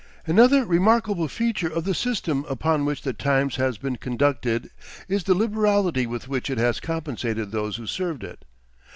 Another remarkable feature of the system upon which "The Times" has been conducted is the liberality with which it has compensated those who served it.